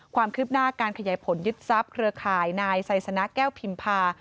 ความคืบหน้าการขยายผลยึดทรัพย์เครือข่ายนายไซสนะแก้วพิมพา